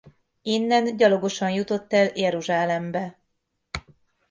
Innen gyalogosan jutott el Jeruzsálembe.